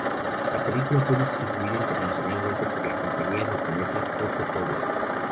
La película fue distribuida internacionalmente por la compañía japonesa Toho-Towa.